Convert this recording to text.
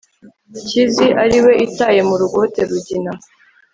kizi ari we itaye mu rugote rugina